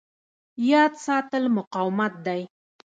یاد ساتل مقاومت دی.